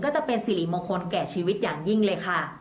จะเป็นสิริมงคลแก่ชีวิตอย่างยิ่งเลยค่ะ